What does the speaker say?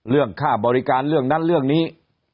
เรื่องค่าบริการเรื่องนั้นเรื่องนี้